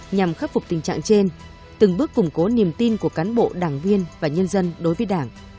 nhằm khắc phục tình trạng trên từng bước củng cố niềm tin của cán bộ đảng viên và nhân dân đối với đảng